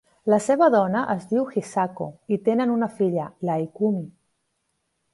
La seva dona es diu Hisako, i tenen una filla, la Ikumi.